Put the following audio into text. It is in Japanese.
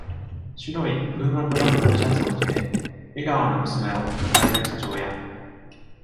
白いプーマブランドのシャツを着て、笑顔の娘を抱える父親。